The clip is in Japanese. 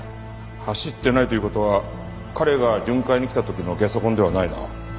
走ってないという事は彼が巡回に来た時のゲソ痕ではないな。